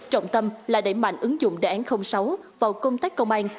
trọng tâm là đẩy mạnh ứng dụng đề án sáu vào công tác công an